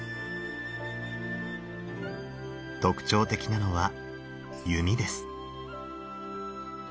特徴的なのは弓です。